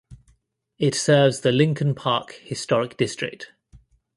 It serves the Lincoln Park Historic District.